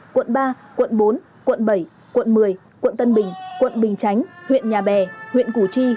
quận ba quận bốn quận bảy quận một mươi quận tân bình quận bình chánh huyện nhà bè huyện củ chi